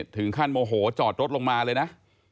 ถึงขั้นโมโหจอดรถลงมาเลยนะ